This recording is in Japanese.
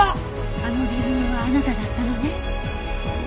あの鼻紋はあなただったのね。